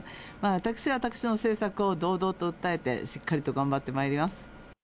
私は私の政策を堂々と訴えて、しっかりと頑張ってまいります。